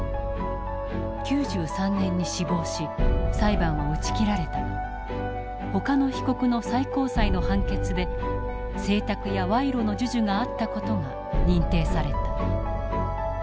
９３年に死亡し裁判は打ち切られたがほかの被告の最高裁の判決で請託や賄賂の授受があった事が認定された。